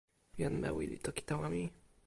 jan Mewi li toki tawa mi.